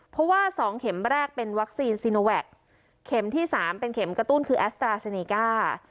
เพราะว่า๒เข็มแรกเป็นวัคซีนซีโนแวคเข็มที่สามเป็นเข็มกระตุ้นคือแอสตราเซเนก้า